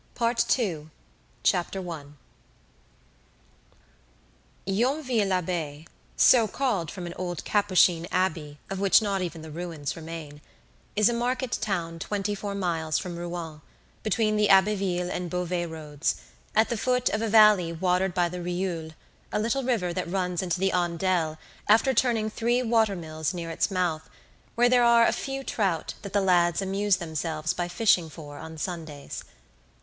Part II Chapter One Yonville l'Abbaye (so called from an old Capuchin abbey of which not even the ruins remain) is a market town twenty four miles from Rouen, between the Abbeville and Beauvais roads, at the foot of a valley watered by the Rieule, a little river that runs into the Andelle after turning three water mills near its mouth, where there are a few trout that the lads amuse themselves by fishing for on Sundays.